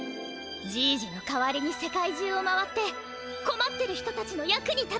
じいじの代わりに世界中を回ってこまってる人たちの役に立つ。